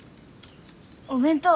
お弁当。